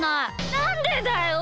なんでだよ！